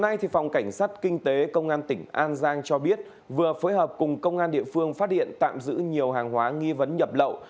hôm nay phòng cảnh sát kinh tế công an tỉnh an giang cho biết vừa phối hợp cùng công an địa phương phát hiện tạm giữ nhiều hàng hóa nghi vấn nhập lậu